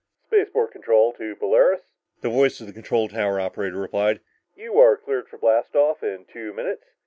"Spaceport control to Polaris," the voice of the tower operator replied. "You are cleared for blast off in two minutes.